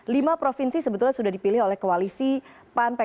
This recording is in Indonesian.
lima provinsi sebetulnya sudah dipilih oleh koalisi pan pks